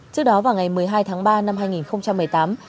trước đó vào ngày một mươi hai tháng ba năm hai nghìn một mươi tám